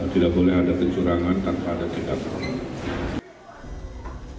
tidak boleh ada kecurangan tanpa ada tindakan